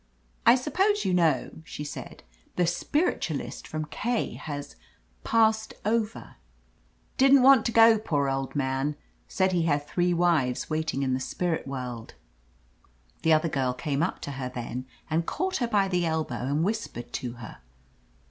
"I suppose you know," she said. "The spir itualist from K has 'passed over.' Didn't want 8 IJJ OF LETITIA CARBERRY to go, poor old man. Said he had three wives waiting in the spirit world." The other girl came up to her then and caught her by the elbow and whispered to her.